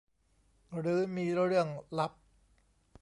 หรือมีเรื่องลับ